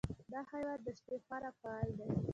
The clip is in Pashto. دا حیوان د شپې خورا فعال دی.